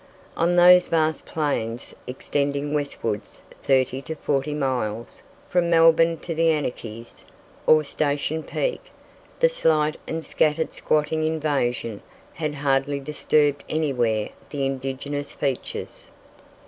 On those vast plains, extending westwards 30 to 40 miles, from Melbourne to the Anakies, or Station Peak, the slight and scattered squatting invasion had hardly disturbed anywhere the indigenous features.